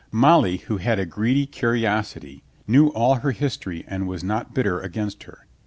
Molly, who had a greedy curiosity, knew all her history and was not bitter against her.